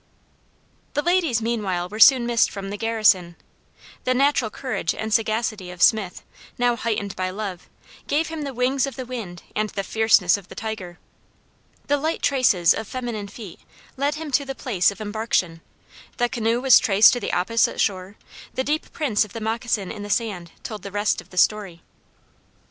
The ladies meanwhile were soon missed from the garrison. The natural courage and sagacity of Smith now heightened by love, gave him the wings of the wind and the fierceness of the tiger. The light traces of feminine feet led him to the place of embarkation; the canoe was traced to the opposite shore; the deep prints of the moccasin in the sand told the rest of the story.